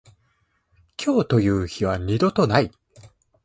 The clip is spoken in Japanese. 今日という日は二度とない。